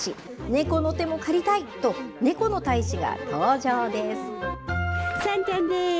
猫の手も借りたいと、ねこの大使が登場です。